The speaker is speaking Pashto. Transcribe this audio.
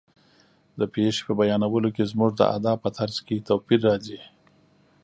د پېښې په بیانولو کې زموږ د ادا په طرز کې توپیر راځي.